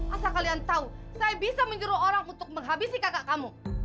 asal kalian tahu saya bisa menyuruh orang untuk menghabisi kakak kamu